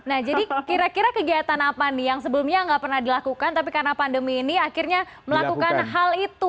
nah jadi kira kira kegiatan apa nih yang sebelumnya nggak pernah dilakukan tapi karena pandemi ini akhirnya melakukan hal itu